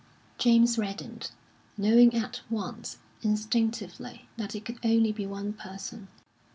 James reddened, knowing at once, instinctively, that it could only be one person.